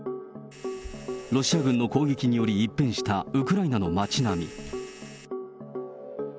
ロシア軍の攻撃により一変したウクライナの街並み。